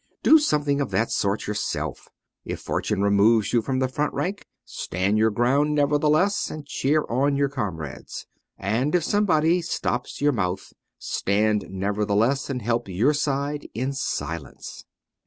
Do something of that sort yourself : if Fortune removes you from the front rank, stand your ground nevertheless and cheer on your comrades, and if somebody stops your mouth, stand nevertheless and help your side in silence.